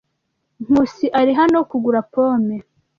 Nkusi ari hano kugura pome.